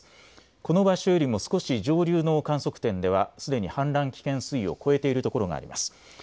この場所よりも少し上流の観測点ではすでに氾濫危険水位を超えている所があります。